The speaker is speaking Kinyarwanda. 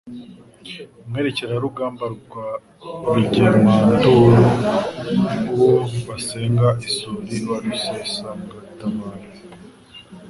Mwerekerarugamba wa Rugemanduru, uwo basenga isuri wa Rusengatabaro,